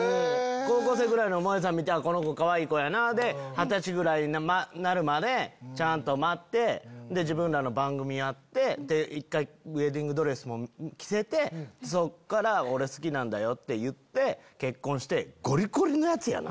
高校生ぐらいのもえさん見て「この子かわいい子やな」で二十歳ぐらいになるまでちゃんと待ってで自分らの番組やってウエディングドレスも着せてそっから俺好きなんだよ！って言って結婚して。